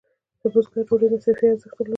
د بزګر ډوډۍ مصرفي ارزښت درلود.